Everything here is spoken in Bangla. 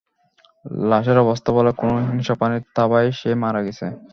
লাশের অবস্থা বলে, কোন হিংস্র প্রাণীর থাবায় সে মারা গেছে।